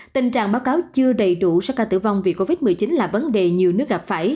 tình trạng báo cáo chưa đầy đủ số ca tử vong vì covid một mươi chín là vấn đề nhiều nước gặp phải